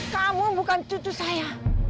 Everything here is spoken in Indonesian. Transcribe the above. kamu bukan cucu saya